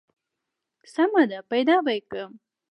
سمه ده پيدا به يې کم.